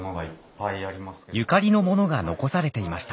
ゆかりのものが残されていました。